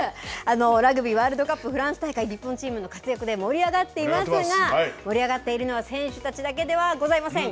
ラグビーワールドカップフランス大会、日本チームの活躍で盛り上がっていますが、盛り上がっているのは、選手たちだけではございません。